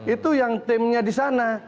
itu yang timnya di sana